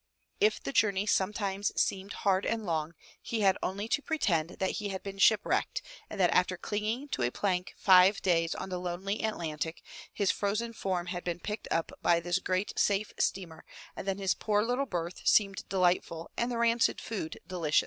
If the journey sometimes seemed hard and long, he had only to pretend that he had been shipwrecked and that after clinging to a plank five days on the lonely Atlantic, his frozen form had been picked up by this great safe steamer, and then his poor little berth seemed delightful and the rancid food delicious.